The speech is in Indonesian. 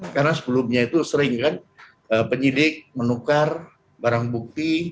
karena sebelumnya itu sering kan penyidik menukar barang bukti